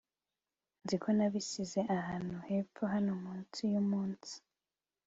nzi ko nabisize ahantu hepfo hano munsi yo munsi